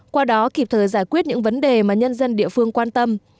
qua đó kịp thời giải quyết những vấn đề mà nhân dân địa phương quan tâm